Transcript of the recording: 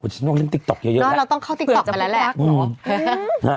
โอ้ฉันต้องเล่นติ๊กต๊อกเยอะแหละฟื้นจังหัวรักหรอน่ะเราต้องเข้าติ๊กต๊อกไปแล้วแหละ